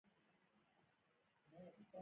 آیا د خرما نارینه او ښځینه ونې بیلې دي؟